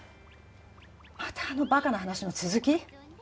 またあのバカな話の続き？